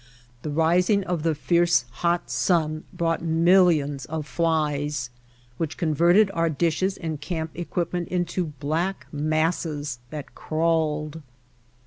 The rising of the fierce, hot sun brought millions of flies which converted our dishes and camp equipment into black masses that crawled.